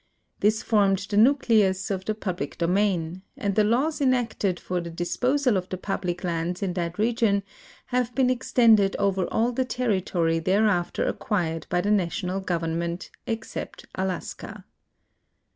This formed the nucleus of the public domain, and the laws enacted for the disposal of the public lands in that region have been ex tended over all the territory thereafter acquired by the national government except Alaska.